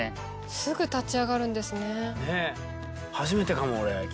すぐ立ち上がるんですね。ねぇ。